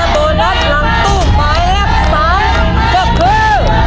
โบนัสหลังตู้หมายเลข๓ก็คือ